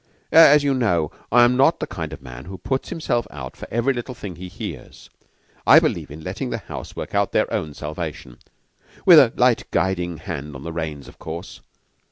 "As you know, I am not the kind of man who puts himself out for every little thing he hears. I believe in letting the house work out their own salvation with a light guiding hand on the reins, of course.